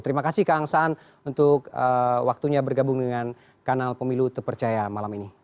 terima kasih kang saan untuk waktunya bergabung dengan kanal pemilu terpercaya malam ini